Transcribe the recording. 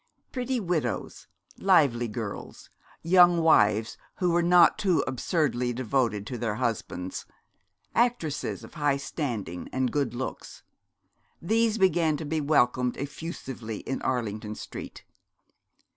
Pretty widows, lively girls, young wives who were not too absurdly devoted to their husbands, actresses of high standing and good looks, these began to be welcomed effusively in Arlington Street.